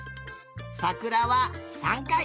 さくらは３かい。